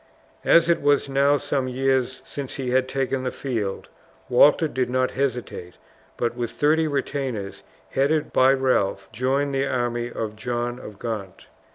As it was now some years since he had taken the field, Walter did not hesitate, but with thirty retainers, headed by Ralph, joined the army of John of Gaunt.